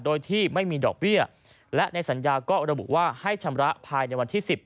โดยที่ไม่มีดอกเบี้ยและในสัญญาก็ระบุว่าให้ชำระภายในวันที่๑๐